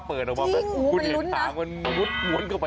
สุธิศาลองนึกว่าเป็นคุณกล้าเปิดออกมา